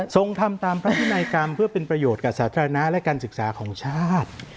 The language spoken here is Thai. ทำตามพระพินัยกรรมเพื่อเป็นประโยชน์กับสาธารณะและการศึกษาของชาติ